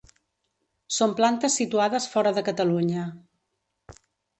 Són plantes situades fora de Catalunya.